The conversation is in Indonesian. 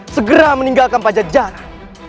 segera meninggalkan pajak jarak